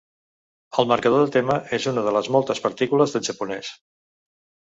El marcador de tema és una de les moltes partícules del japonès.